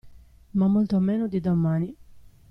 Ma molto meno di domani.